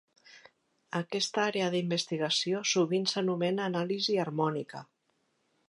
Aquesta àrea d'investigació sovint s'anomena anàlisi harmònica.